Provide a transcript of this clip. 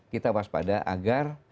kita waspada agar